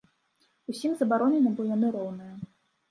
Усім забаронена, бо яны роўныя.